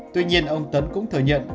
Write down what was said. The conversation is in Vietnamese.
tuy nhiên ông tấn cũng thừa nhận